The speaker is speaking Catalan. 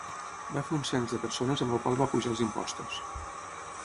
Va fer un cens de persones amb el qual va apujar els impostos.